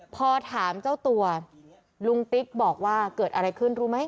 พอถามเจ้าตัวลุงติ๊กบอกว่าเกิดอะไรขึ้นรู้ไหม